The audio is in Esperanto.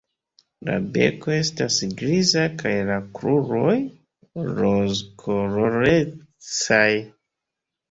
La beko estas griza kaj la kruroj rozkolorecaj.